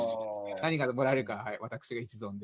何がもらえるか、私の一存で。